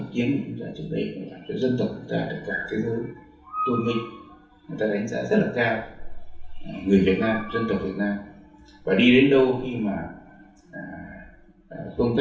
thế rồi nó cũng tùy thuộc về cả cái vị thế của đất nước